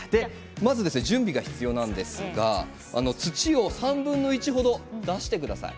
まず準備が必要なんですが土を３分の１程出してください。